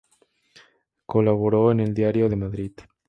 Colaboró en el "Diario de Madrid".